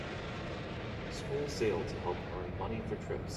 School sale to help earn money for trips.